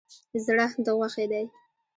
زړه ده غوښی دی